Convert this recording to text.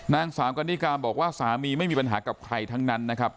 นางสาวกันนิกาบอกว่าสามีไม่มีปัญหากับใครทั้งนั้นนะครับ